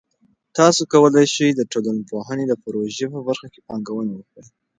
تاسې کولای سئ د ټولنپوهنې د پروژه په برخه کې پانګونه وکړئ.